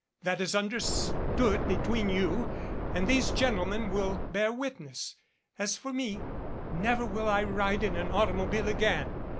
That is understood between you, and these gentlemen will bear witness. As for me never will I ride in an automobile again.